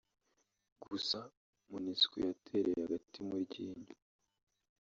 Gusa Monusco yatereye agati mu ryinyo